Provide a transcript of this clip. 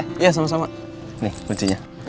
tapi kalau misal kenyataan juga tidak apa apa